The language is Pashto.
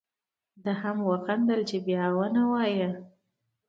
ده هم وخندل چې بیا و نه وایې.